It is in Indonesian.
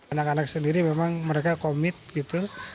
anak anak sendiri memang mereka komit gitu